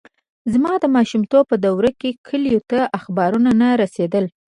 زما د ماشومتوب په دوره کې کلیو ته اخبارونه نه رسېدل.